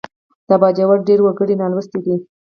د باجوړ ډېر وګړي نالوستي دي